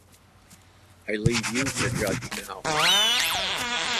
I leave you to judge now!